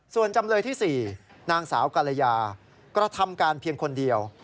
ส่วนจำเลยที่๔นางสาวกรยากระทำการเพียงคนเดียว